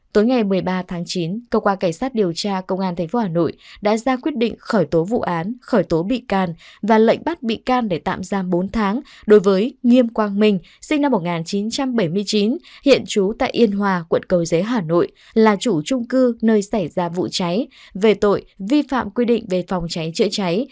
tối ngày một mươi ba tháng chín cơ quan cảnh sát điều tra công an thành phố hà nội đã ra quyết định khởi tố vụ án khởi tố bị can và lệnh bắt bị can để tạm giam bốn tháng đối với nghiêm quang minh sinh năm một nghìn chín trăm bảy mươi chín hiện trú tại yên hòa quận cầu giới hà nội là chủ trung cư nơi xảy ra vụ cháy về tội vi phạm quy định về phòng cháy chữa cháy